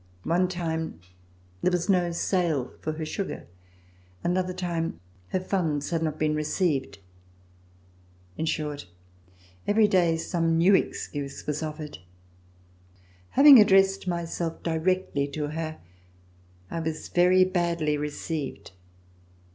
One time there was no sale for her sugar, another time her funds had not been received. In short, every day some new excuse was offered. Having addressed myself directly to her, I was very badly received.